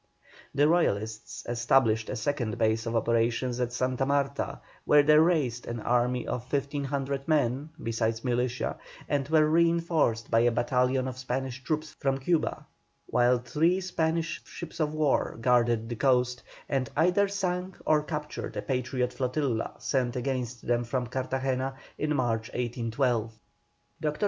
The Royalists established a second base of operations at Santa Marta, where they raised an army of 1,500 men, besides militia, and were reinforced by a battalion of Spanish troops from Cuba, while three Spanish ships of war guarded the coast, and either sunk or captured a Patriot flotilla sent against them from Cartagena in March, 1812. Dr.